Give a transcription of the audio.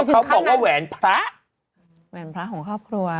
เขาบอกว่าแหวนพระแหวนพระของครอบครัว